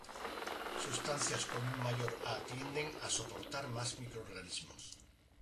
Sustancias con un mayor a tienden a soportar más microorganismos.